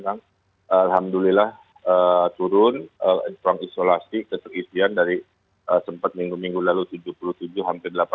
alhamdulillah turun ruang isolasi keterisian dari sempat minggu minggu lalu tujuh puluh tujuh hampir delapan puluh